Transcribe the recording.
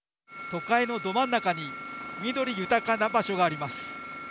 都会のど真ん中に緑豊かな場所があります。